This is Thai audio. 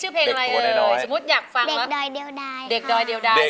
เมื่อกี้ชื่อเพลงอะไรเลยสมมุติอยากฟังว่าเด็กดอยเดียวดาย